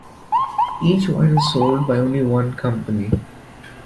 Each wine is sold by only one company.